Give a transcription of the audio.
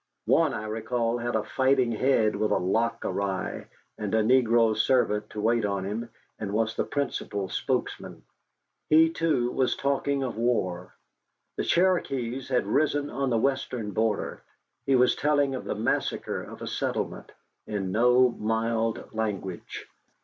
One I recall had a fighting head with a lock awry, and a negro servant to wait on him, and was the principal spokesman. He, too, was talking of war. The Cherokees had risen on the western border. He was telling of the massacre of a settlement, in no mild language.